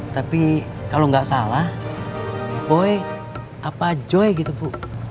tapi kalau nggak salah boy apa joy gitu bu